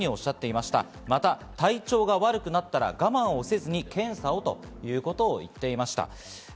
また体調が悪くなったら我慢せずに検査をということも言っていました。